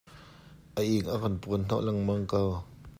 A ing a kan puan hnawh lengmang ko.